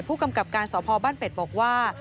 ผู้กำกับการสพบ้านเป็ดบอกว่า